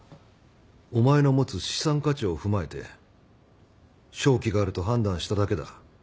お前の持つ資産価値を踏まえて勝機があると判断しただけだ。